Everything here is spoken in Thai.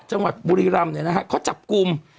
จังหวัดบุรีรำเนี่ยนะฮะเขาจับกลุ่ม